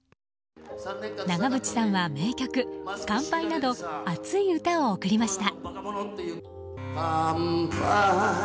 長渕さんは名曲「乾杯」など熱い歌を贈りました。